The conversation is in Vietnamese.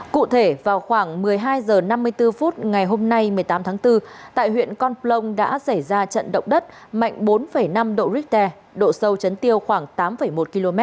cụ thể vào khoảng một mươi hai h năm mươi bốn phút ngày hôm nay một mươi tám tháng bốn tại huyện con plong đã xảy ra trận động đất mạnh bốn năm độ richter độ sâu chấn tiêu khoảng tám một km